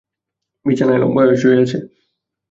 বিছানায় লম্বা হয়ে শুয়ে আছে!